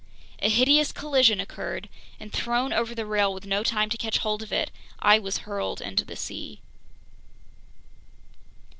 A hideous collision occurred, and thrown over the rail with no time to catch hold of it, I was hurled into the sea.